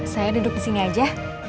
saya duduk disini aja